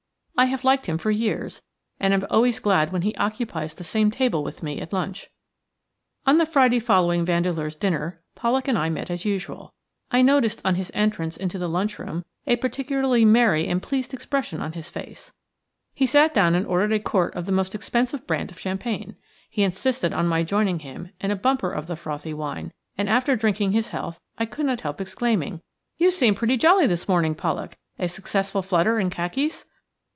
I have liked him for years, and am always glad when he occupies the same table with me at lunch. On the Friday following Vandeleur's dinner Pollak and I met as usual. I noticed on his entrance into the lunch room a particularly merry and pleased expression on his face. He sat down and ordered a quart of the most expensive brand of champagne. He insisted on my joining him in a bumper of the frothy wine, and after drinking his health I could not help exclaiming:– "You seem pretty jolly this morning, Pollak. A successful flutter in Khakis?"